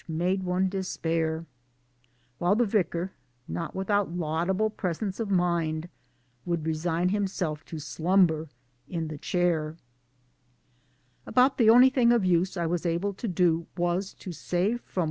made one despair ; while the Vicar (not without laudable presence of mind) would resign himself to slumber in the Chair I About the only thing of use I Wias able to do was! to save from!